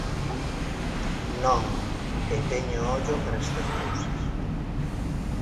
Non, e teño ollo para estas cousas.